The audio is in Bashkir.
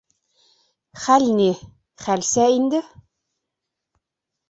Хәл ни... хәлсә инде!